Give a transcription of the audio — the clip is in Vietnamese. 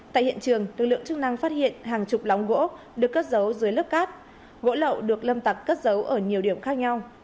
tại hiện trường lực lượng chức năng phát hiện hàng chục lóng gỗ được cất giấu dưới lớp cát gỗ lậu được lâm tặc cất giấu ở nhiều điểm khác nhau